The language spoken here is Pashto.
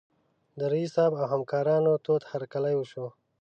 د رییس صیب او همکارانو تود هرکلی وشو.